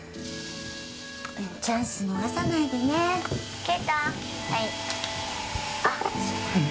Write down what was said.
チャンス逃さないでね圭ちゃん